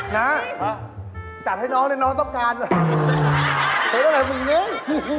นะจัดให้น้องนะน้องต้องการนะจัดให้น้องน้อง